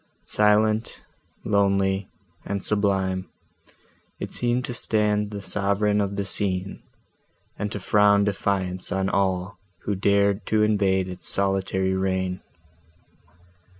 Silent, lonely, and sublime, it seemed to stand the sovereign of the scene, and to frown defiance on all, who dared to invade its solitary reign.